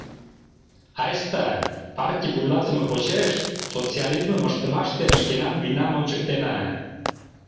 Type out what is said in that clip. Айста партий вуйлатыме почеш социализмым ыштымаште шкенан вийнам ончыктена!